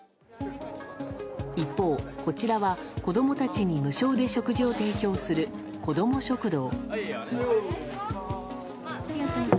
一方、こちらは子供たちに無償で食事を提供するこども食堂。